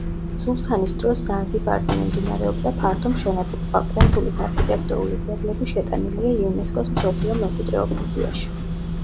სულთანის დროს ზანზიბარზე მიმდინარეობდა ფართე მშენებლობა; კუნძულის არქიტექტურული ძეგლები შეტანილია იუნესკოს მსოფლიო მემკვიდრეობის სიაში.